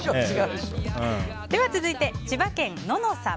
続いて、千葉県の方。